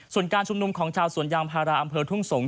ส่วนการชุมนุมของชาวสวนยางพาราอำเภอทุ่งสงศ